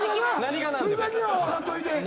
それだけは分かっといて。